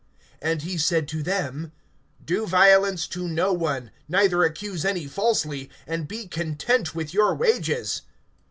And he said to them: Do violence to no one, neither accuse any falsely; and be content with your wages[3:14].